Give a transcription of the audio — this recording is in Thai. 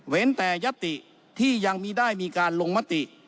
แต่ยัตติที่ยังมีได้มีการลงมติ